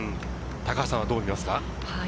高橋さんはどうですか？